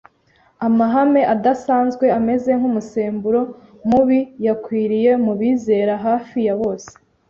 Amahame adasanzwe ameze nk’umusemburo mubi yakwiriye mu bizera hafi ya bose